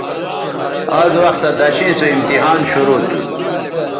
آز وختہ دݜیئں سو امتحان شرو تھو